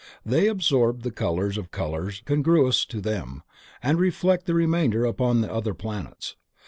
They absorb the color or colors congruous to them, and reflect the remainder upon the other planets.